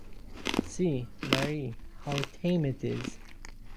See, Marie, how tame it is.